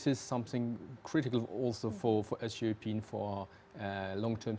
akan kita lanjutkan sesaat lagi